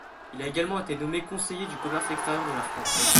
Il a également été nommé conseiller du commerce extérieur de la France.